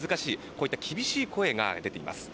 こういった厳しい声が出ています。